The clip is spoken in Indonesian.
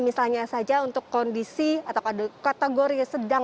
misalnya saja untuk kondisi atau kategori sedang